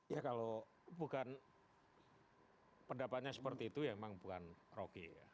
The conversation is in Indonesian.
ya kalau bukan pendapatnya seperti itu ya memang bukan rocky ya